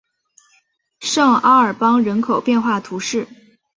圣阿尔邦人口变化图示